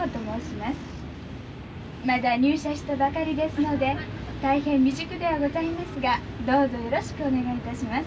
まだ入社したばかりですので大変未熟ではございますがどうぞよろしくお願いいたします。